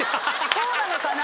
そうなのかな？